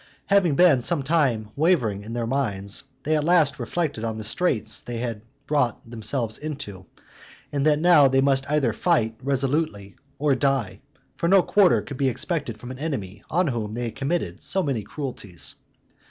Having been some time wavering in their minds, they at last reflected on the straits they had brought themselves into, and that now they must either fight resolutely, or die; for no quarter could be expected from an enemy on whom they had committed so many cruelties.